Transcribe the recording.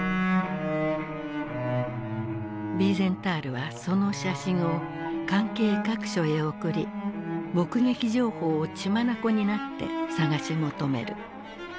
ヴィーゼンタールはその写真を関係各所へ送り目撃情報を血眼になって探し求める。